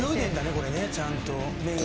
これねちゃんと麺が！